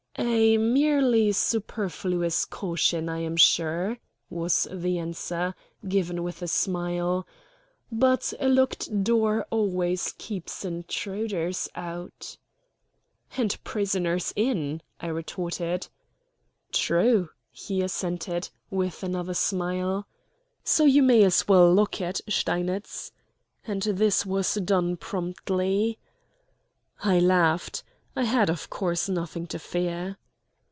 "A merely superfluous caution, I am sure," was the answer, given with a smile; "but a locked door always keeps intruders out." "And prisoners in," I retorted. "True," he assented, with another smile. "So you may as well lock it, Steinitz," and this was done promptly. I laughed. I had, of course, nothing to fear.